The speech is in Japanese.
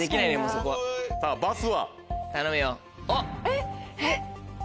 えっえっ。